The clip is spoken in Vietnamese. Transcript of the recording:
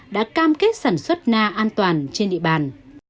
đã cam kết sản xuất na an toàn trên địa bàn